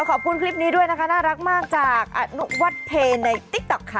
ขอบคุณคลิปนี้ด้วยนะคะน่ารักมากจากอนุวัฒน์เพในติ๊กต๊อกค่ะ